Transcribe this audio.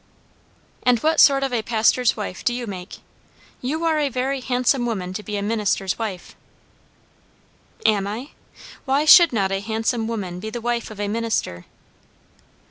"And what sort of a pastor's wife do you make? You are a very handsome woman to be a minister's wife." "Am I? Why should not a handsome woman be the wife of a minister?"